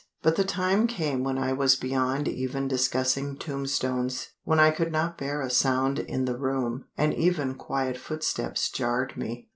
But the time came when I was beyond even discussing tombstones; when I could not bear a sound in the room and even quiet footsteps jarred me.